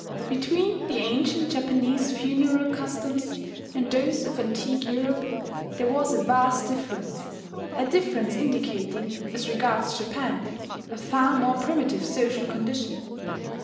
Between the ancient Japanese funeral customs and those of antique Europe, there was a vast difference, a difference indicating, as regards Japan, a far more primitive social condition.